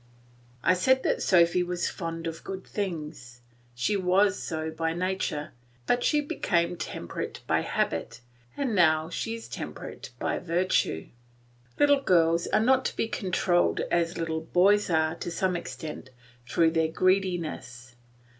I said that Sophy was fond of good things. She was so by nature; but she became temperate by habit and now she is temperate by virtue. Little girls are not to be controlled, as little boys are, to some extent, through their greediness.